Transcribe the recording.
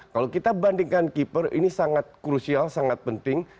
kalau kita bandingkan keeper ini sangat krusial sangat penting